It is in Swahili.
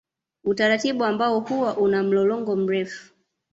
Utaratibu ambao huwa una mlolongo mrefu